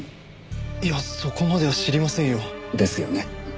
いやそこまでは知りませんよ。ですよね。